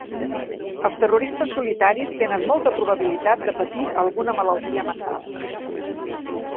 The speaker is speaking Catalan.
Els terroristes solitaris tenen molta probabilitat de patir alguna malaltia mental.